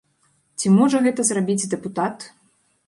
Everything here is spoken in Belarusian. Ці можа гэта зрабіць дэпутат?